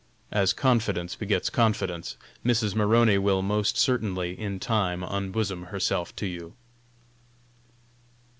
As confidence begets confidence, Mrs. Maroney will, most certainly, in time unbosom herself to you."